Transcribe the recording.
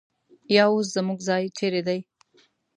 یا اوس زموږ ځای چېرې دی؟